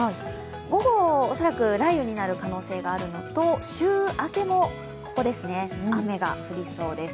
午後、恐らく雷雨になる可能性があるのと、週明けも雨が降りそうです。